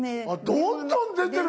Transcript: どんどん出てる。